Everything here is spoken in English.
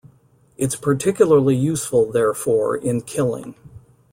It's particularly useful, therefore, in killing.